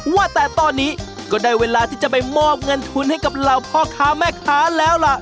ว่าแต่ตอนนี้ก็ได้เวลาที่จะไปมอบเงินทุนให้กับเหล่าพ่อค้าแม่ค้าแล้วล่ะ